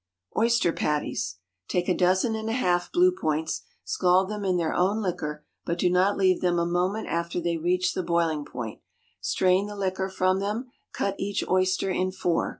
Oyster Patties. Take a dozen and a half Blue Points, scald them in their own liquor, but do not leave them a moment after they reach the boiling point; strain the liquor from them; cut each oyster in four.